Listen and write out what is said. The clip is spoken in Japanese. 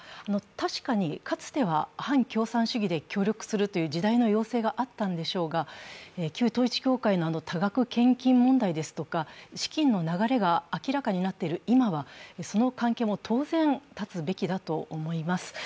確かにかつては反共産主義で協力するという時代の要請があったんでしょうが旧統一教会の多額献金問題ですとか、資金の流れが明らかになっている今は、その関係も当然、断つべきだと思います。